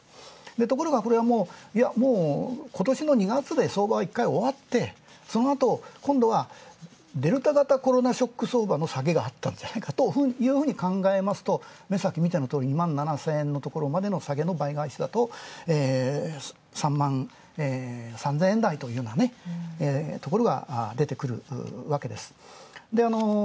ところがこれはもう、今年の２月でいったん相場は１回終わってそのあと、今度はデルタ株コロナショックの下げがあったのではというふうに考えますとさっきのとおりの２万７０００円のところの下げの倍返しだと３万３０００円台とういうふうなところがで出てくるわけです。